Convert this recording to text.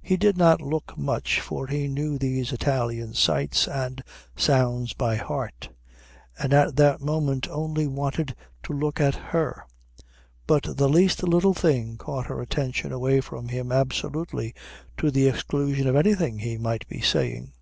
He did not look much, for he knew these Italian sights and sounds by heart, and at that moment only wanted to look at her; but the least little thing caught her attention away from him absolutely, to the exclusion of anything he might be saying.